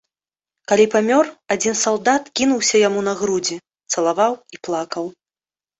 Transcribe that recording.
Калі памёр, адзін салдат кінуўся яму на грудзі, цалаваў і плакаў.